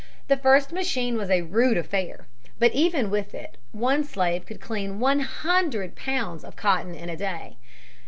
The first machine was a rude affair. But even with it one slave could clean one hundred pounds of cotton in a day.